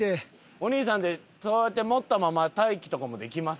お兄さんってそうやって持ったまま待機とかもできます？